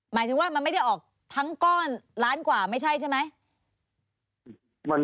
หมายถึงว่ามันไม่ได้ออกทั้งก้อนล้านกว่าไม่ใช่ใช่ไหม